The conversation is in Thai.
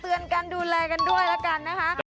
เตือนการดูแลกันด้วยนะครับนะคะ